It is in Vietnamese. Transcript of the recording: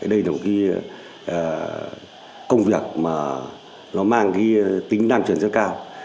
đây là một công việc mà nó mang tính năng truyền rất cao